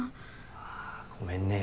・あぁごめんね。